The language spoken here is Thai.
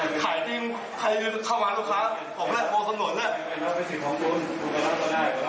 ใครจะมาทำอะไรให้ผมใครจะมาทำอะไรให้ผมเนี่ย